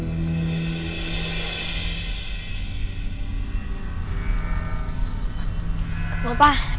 apa apa beraku aja cek sendiri